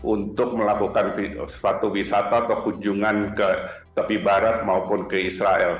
untuk melakukan suatu wisata atau kunjungan ke tepi barat maupun ke israel